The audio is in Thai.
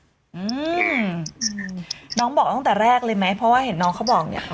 อืมน้องบอกตั้งแต่แรกเลยไหมเพราะว่าเห็นน้องเขาบอกเนี้ยค่ะ